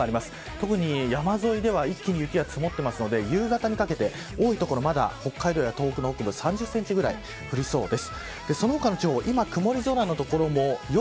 特に山沿いでは、一気に雪が積もっているので夕方にかけて多い所北海道や東北は３０センチぐらい降りそうです。